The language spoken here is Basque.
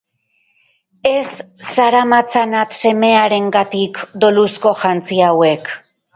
Ez zaramatzanat semearengatik doluzko jantzi hauek!